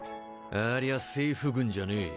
ありゃ政府軍じゃねえ。